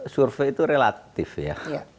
survei itu relatif ya